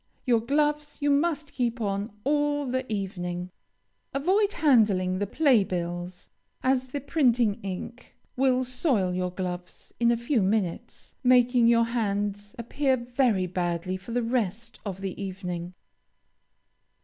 Your gloves you must keep on all the evening. Avoid handling the play bills, as the printing ink will soil your gloves in a few minutes, making your hands appear very badly for the rest of the evening.